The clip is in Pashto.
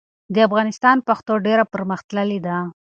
د افغانستان پښتو ډېره پرمختللې ده.